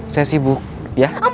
saya sibuk ya